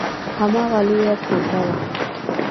هماغه لويه کوټه وه.